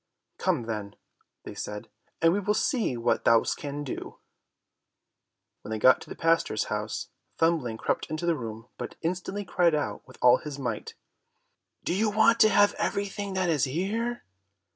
"Come then," they said, "and we will see what thou canst do." When they got to the pastor's house, Thumbling crept into the room, but instantly cried out with all his might, "Do you want to have everything that is here?"